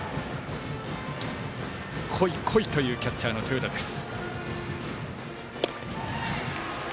来い来いというキャッチャーの豊田です。